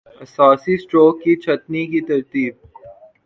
اساسی-سٹروک کی چھٹنی کی ترتیب